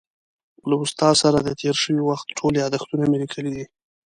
له استاد سره د تېر شوي وخت ټول یادښتونه مې لیکلي دي.